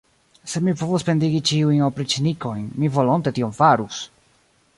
Se mi povus pendigi ĉiujn opriĉnikojn, mi volonte tion farus!